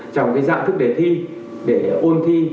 trong dạng thức đề thi để ôn thi